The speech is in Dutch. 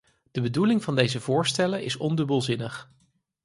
De bedoeling van deze voorstellen is ondubbelzinnig.